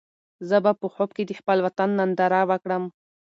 زه به په خوب کې د خپل وطن ننداره وکړم.